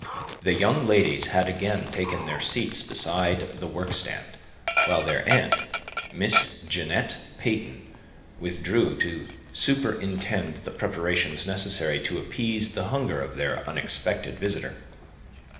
The young ladies had again taken their seats beside the workstand, while their aunt, Miss Jeanette Peyton, withdrew to superintend the preparations necessary to appease the hunger of their unexpected visitor.